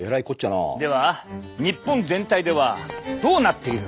では日本全体ではどうなっているのか。